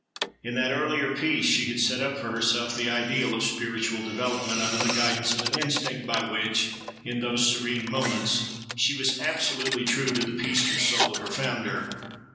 In that earlier "Peace" she had set up for herself the ideal of spiritual development, under the guidance of an instinct by which, in those serene moments, she was absolutely true to the peaceful soul of her Founder.